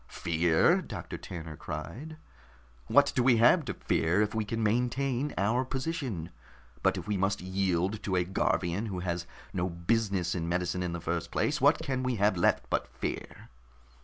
"Fear?" Doctor Tanner cried. "What do we have to fear if we can maintain our position? But if we must yield to a Garvian who has no business in medicine in the first place, what can we have left but fear?"